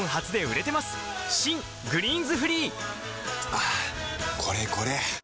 はぁこれこれ！